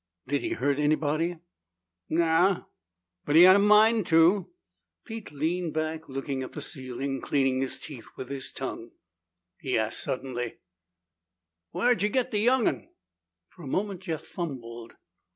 "Did he hurt anybody?" "Nao. But he had a mind to." Pete leaned back, looking at the ceiling and cleaning his teeth with his tongue. He asked suddenly, "Whar'd ye get the young'un?" For a moment Jeff fumbled.